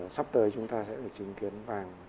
sắp tới chúng ta sẽ được chứng kiến vàng